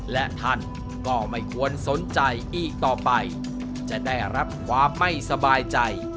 และท่านก็ไม่ควรสนใจอีกต่อไปจะได้รับความไม่สบายใจ